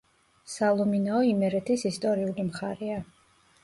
სალომინაო იმერეთის ისტორიული მხარეა.